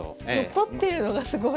取ってるのがすごい。